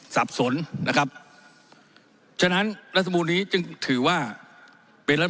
สับสนนะครับฉะนั้นรัฐมนูลนี้จึงถือว่าเป็นรัฐ